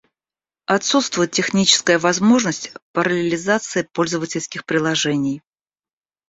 Отсутствует техническая возможность параллелизации пользовательских приложений